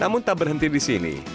namun tak berhenti di sini